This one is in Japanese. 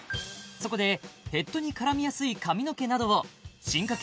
そこでヘッドに絡みやすい髪の毛などを進化系